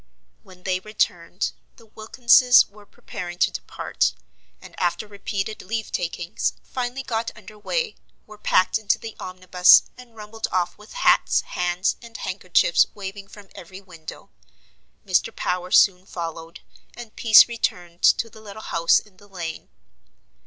When they returned, the Wilkinses were preparing to depart; and, after repeated leave takings, finally got under way, were packed into the omnibus, and rumbled off with hats, hands, and handkerchiefs waving from every window. Mr. Power soon followed, and peace returned to the little house in the lane.